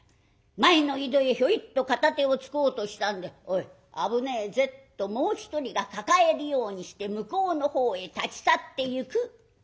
前の井戸へひょいっと片手をつこうとしたんで「おい！危ねえぜ」ともう一人が抱えるようにして向こうのほうへ立ち去ってゆく。